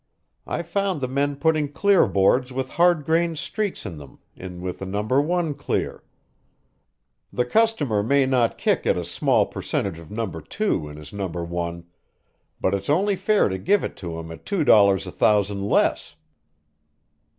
I found the men putting clear boards with hard grained streaks in them in with the No. 1 clear. The customer may not kick at a small percentage of No. 2 in his No. 1 but it's only fair to give it to him at two dollars a thousand less."